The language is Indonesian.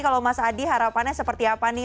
kalau mas adi harapannya seperti apa nih